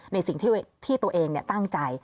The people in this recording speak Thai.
ในสิ่งที่ตัวเองตั้งใจ